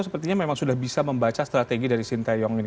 sepertinya memang sudah bisa membaca strategi dari shin tae yong ini